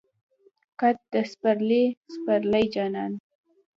قد د سپرلی، سپرلی جانان